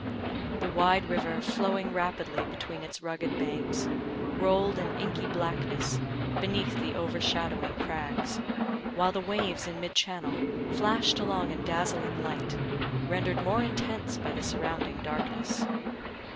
The wide river, flowing rapidly between its rugged banks, rolled in inky blackness beneath the overshadowing crags; while the waves in mid channel flashed along in dazzling light, rendered more intense by the surrounding darkness.